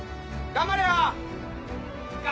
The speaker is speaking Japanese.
頑張れよ！